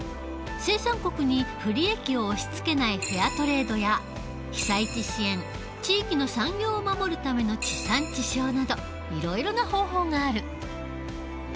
生産国に不利益を押しつけないフェアトレードや被災地支援地域の産業を守るための地産地消などいろいろな方法がある。